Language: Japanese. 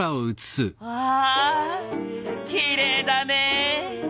わきれいだね！